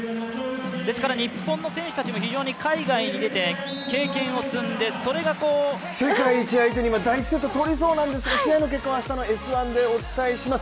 ですから日本の選手も非常に海外に出て経験を積んで、それが世界一相手に第１セット取りそうなんですが試合の結果は明日の「Ｓ☆１」でお伝えします。